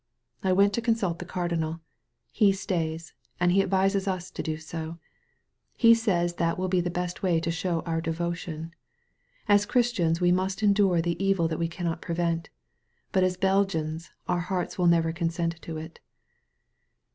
I went to consult the cardinal. He stays, and he advises ""us to do so. He says that will be the best way to show our devotion. As Christians we must endure the evil that we cannot prevent; but as Belgians our hearts will never consent to it."